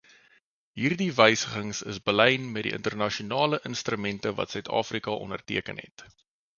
Hierdie wysigings is belyn met die internasionale instrumente wat Suid-Afrika onderteken het.